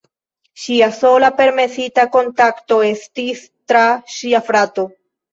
Ŝia sola permesita kontakto estis tra ŝia frato.